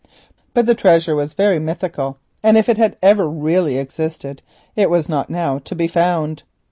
But the treasure was very mythical, and if it had ever really existed it was not now to be found.